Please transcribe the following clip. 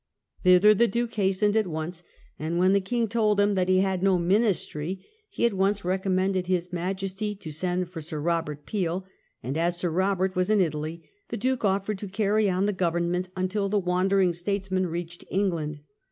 Thither the Duke hastened at once, and when the King told him that he had no Ministry, he at once recommended his Majesty to send for Sir Eobert Peel, and as Sir Eobert was in Italy, the Duke oflfered to carry on the Government until the wandering states man reached England.